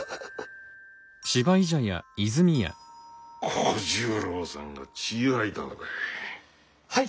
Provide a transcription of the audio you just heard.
小十郎さんが血ぃ吐いたのかい。